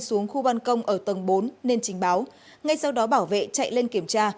xuống khu băn công ở tầng bốn nên trình báo ngay sau đó bảo vệ chạy lên kiểm tra